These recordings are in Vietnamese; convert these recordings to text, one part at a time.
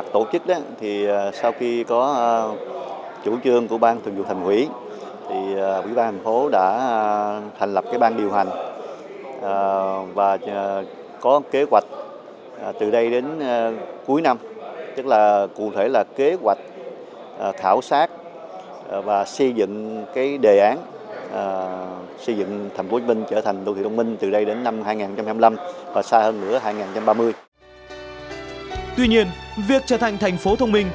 trong tương lai nếu thực hiện thành công kế hoạch xây dựng đô thị thông minh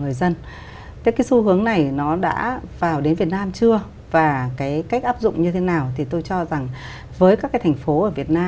người dân sẽ được hưởng thụ các tiện ích như dịch vụ công trực tuyến được chăm sóc sức khỏe đảm bảo an sinh xã hội